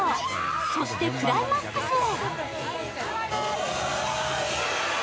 そしてクライマックスへ。